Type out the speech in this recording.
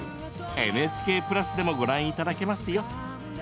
ＮＨＫプラスでもご覧いただけますよ。